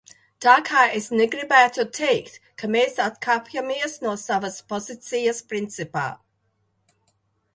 Tā ka es negribētu teikt, ka mēs atkāpjamies no savas pozīcijas principā.